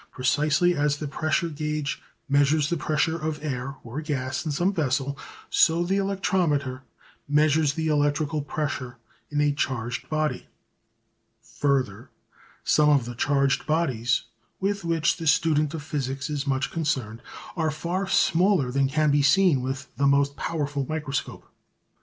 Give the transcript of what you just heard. Precisely as the pressure gauge measures the pressure of air or gas in some vessel, so the electrometer measures the electrical pressure in a charged body. Further, some of the charged bodies with which the student of physics is much concerned are far smaller than can be seen with the most powerful microscope.